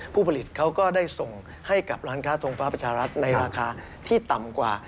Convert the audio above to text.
ผู้ผลิตเขาก็ได้ส่งให้กับร้านค้าทงฟ้าประชารัฐในราคาที่ต่ำกว่า